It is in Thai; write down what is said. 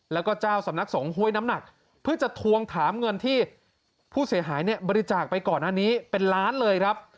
แล้วก็เจ้าสำนักสงฆ่วยน้ำหนักเพื่อจะทวงถามเงินที่ผู้เสียหายเนี่ยบริจาคไปก่อนอันนี้เป็นล้านเลยครับ